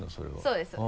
そうです。